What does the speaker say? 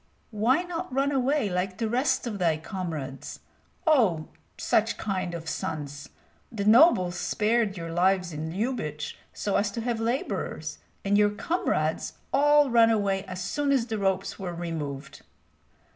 "Why not run away like the rest of thy comrades? Oh, such kind of sons! The nobles spared your lives in Lyubich so as to have laborers, and your comrades all ran away as soon as the ropes were removed."